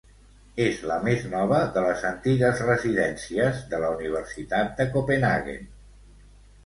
És la més nova de les antigues residències de la Universitat de Copenhaguen.